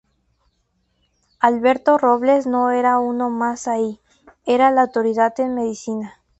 Alberto Robles no era uno más ahí, era la autoridad en medicina.